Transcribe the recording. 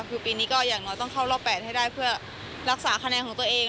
คือปีนี้ก็อย่างน้อยต้องเข้ารอบ๘ให้ได้เพื่อรักษาคะแนนของตัวเอง